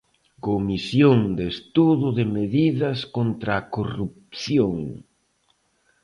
Comisión de estudo de medidas contra a corrupción.